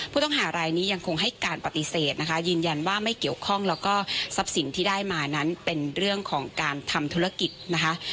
ผู้ต้องหารายนี้ยังคงให้การปฏิเสธนะคะยืนยันว่าไม่เกี่ยวข้องแล้วก็ทรัพย์สินที่ได้มานั้นเป็นเรื่องของการทำธุรกิจนะคะ